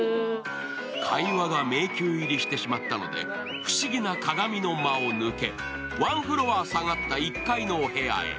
会話が迷宮入りしてしまったので不思議な鏡の間を抜けワンフロア下がった１階のお部屋へ。